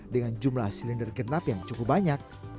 dengan jumlah silinder genap yang cukup banyak